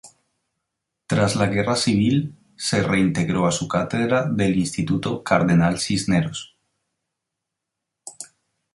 Tras la guerra civil, se reintegró a su cátedra del instituto Cardenal Cisneros.